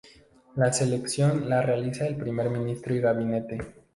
La selección la realiza el primer ministro y el gabinete.